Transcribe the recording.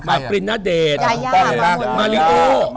มาฟรินณเดชน์ยายามาริโอ